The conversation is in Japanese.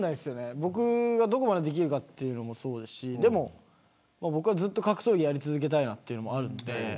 僕がどこまでできるかもそうですし僕はずっと格闘技をやり続けたいという気持ちがあるので。